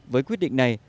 với quyết định này